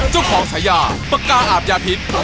เจ้าของสายาปากกาอาบยาพิษ